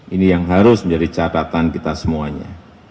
ini yang harus menjadi catatan kita semuanya